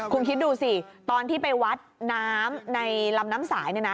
คุณคิดดูสิตอนที่ไปวัดน้ำในลำน้ำสายเนี่ยนะ